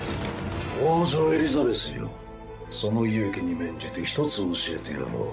王女エリザベスよその勇気に免じて一つ教えてやろう。